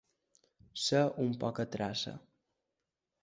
Ser un pocatraça.